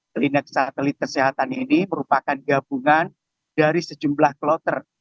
klinik satelit kesehatan ini merupakan gabungan dari sejumlah kloter